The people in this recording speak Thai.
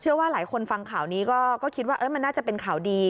ว่าหลายคนฟังข่าวนี้ก็คิดว่ามันน่าจะเป็นข่าวดี